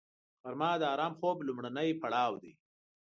غرمه د آرام خوب لومړنی پړاو دی